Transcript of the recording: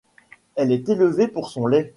Elle est élevée pour son lait.